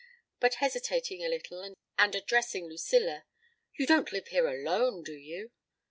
But hesitating a little and addressing Lucilla: "You don't live here alone, do you?"